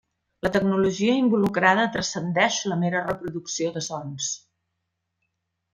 La tecnologia involucrada transcendeix la mera reproducció de sons.